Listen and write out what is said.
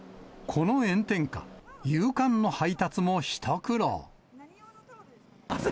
この炎天下、夕刊の配達も一苦労。